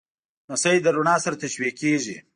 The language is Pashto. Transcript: لمسی له رڼا سره تشبیه کېږي.